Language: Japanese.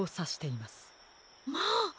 まあ！